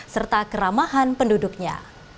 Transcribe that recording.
serta keramahan penduduknya